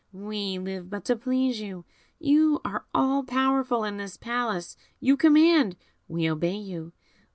We live but to please you; you are all powerful in this Palace you command; we obey you.